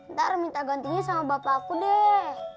ntar minta gantinya sama bapakku deh